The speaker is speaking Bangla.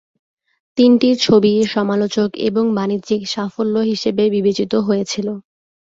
তিনটি ছবিই সমালোচক এবং বাণিজ্যিক সাফল্য হিসাবে বিবেচিত হয়েছিল।